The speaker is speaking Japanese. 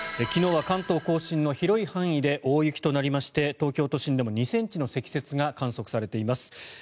昨日は関東・甲信の広い範囲で大雪となりまして東京都心でも２ｃｍの積雪が観測されています。